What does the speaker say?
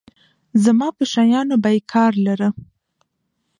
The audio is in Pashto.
زما په شيانو به يې کار لاره.